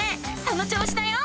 その調子だよ！